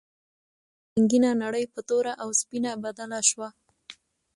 رنګینه نړۍ په توره او سپینه بدله شوه.